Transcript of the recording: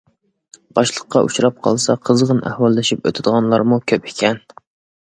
باشلىققا ئۇچراپ قالسا قىزغىن ئەھۋاللىشىپ ئۆتىدىغانلارمۇ كۆپ ئىكەن.